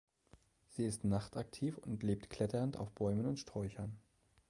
Sie ist nachtaktiv und lebt kletternd auf Bäumen und Sträuchern.